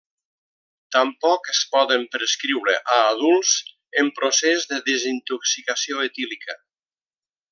Tampoc es poden prescriure a adults en procés de desintoxicació etílica.